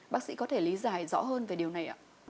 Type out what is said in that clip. bác sĩ có thể lý giải rõ hơn về điều này ạ